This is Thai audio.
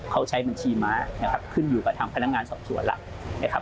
เขาใช้บัญชีมาขึ้นอยู่กับธพนักงานส่อมส่วนแล้ว